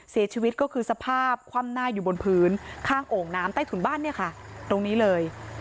เสียชีวิตก็คือสภาพคว่ำหน้าอยู่บนพื้นข้างโอ่งน้ำใต้ถุนบ้านเนี่ยค่ะตรงนี้เลย